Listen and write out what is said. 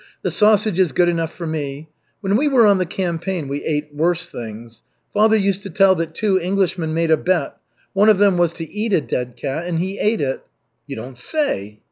The sausage is good enough for me. When we were on the campaign, we ate worse things. Father used to tell that two Englishmen made a bet. One of them was to eat a dead cat, and he ate it." "You don't say!"